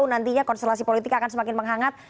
nggak tahu nantinya konstelasi politik akan semakin menghangat